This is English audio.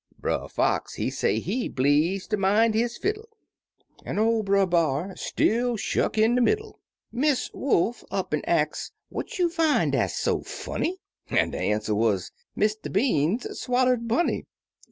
Brer Fox he say he bleeze ter men' his fiddle. An' oi' Brer B'ar stUI shuck in de middle; Miss Wolf up an' ax, "What you fin* dat's so funny ?" An' de answer wuz, Mr. Beans swaller'd Bunny.